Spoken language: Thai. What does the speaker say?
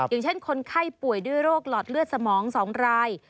อย่างเช่นคนไข้ป่วยด้วยโรคหลอดเลือดสมอง๒ราย